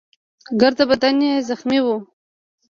ګرده بدن يې زخمي وو.